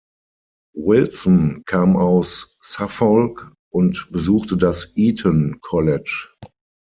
Wilson kam aus Suffolk und besuchte das Eton College.